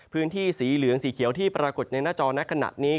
พื้นที่สีเหลืองสีเขียวที่ปรากฏในหน้าจอในขณะนี้